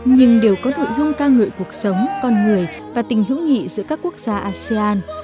nhưng đều có nội dung ca ngợi cuộc sống con người và tình hữu nghị giữa các quốc gia asean